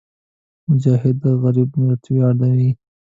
مجاهد د غریب ملت ویاړ وي.